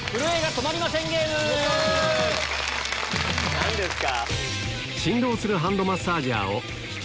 何ですか？